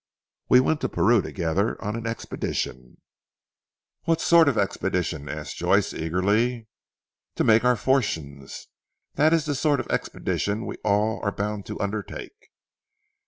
"We went to Peru together on an expedition." "What sort of an expedition?" asked Joyce eagerly. "To make our fortunes. That is the sort of expedition we all are bound to undertake."